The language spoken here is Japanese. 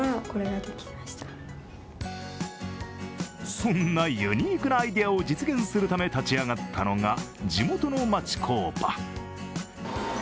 そんなユニークなアイデアを実現するため立ち上がったのが地元の町工場。